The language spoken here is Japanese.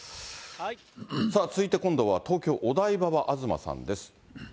続いて今度は東京・お台場は東さんです。